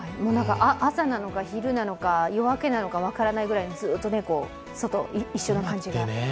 朝なのか昼なのか夜明けなのか分からないぐらいのずーっと外、一緒な感じが。